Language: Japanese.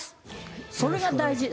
それが大事。